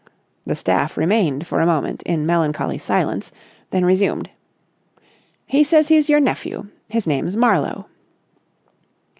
The staff remained for a moment in melancholy silence, then resumed. "He says he's your nephew. His name's Marlowe."